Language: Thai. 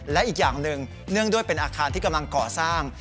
และอีกอย่างหนึ่งเนื่องด้วยเป็นอาคารที่กำลังก่อสร้าง